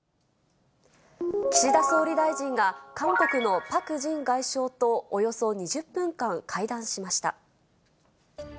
岸田総理大臣が、韓国のパク・ジン外相とおよそ２０分間会談しました。